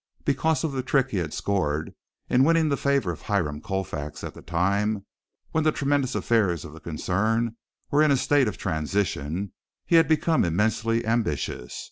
Because of the trick he had scored in winning the favor of Hiram Colfax at the time when the tremendous affairs of the concern were in a state of transition, he had become immensely ambitious.